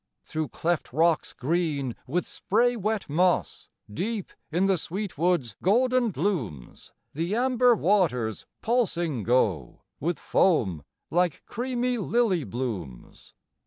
Through cleft rocks green with spray wet moss, Deep in the sweet wood's golden glooms, The amber waters pulsing go, With foam like creamy lily blooms.